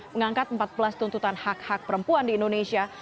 mengangkat empat belas tuntutan hak hak perempuan di indonesia